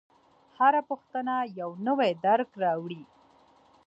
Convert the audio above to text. هره پوښتنه یو نوی درک راوړي.